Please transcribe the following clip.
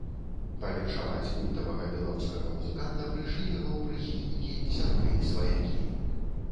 Павіншаваць культавага беларускага музыканта прыйшлі яго прыхільнікі, сябры і сваякі.